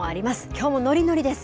きょうものりのりです。